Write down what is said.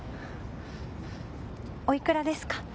おいくらですか？